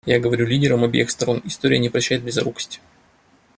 Я говорю лидерам обеих сторон: история не прощает близорукость.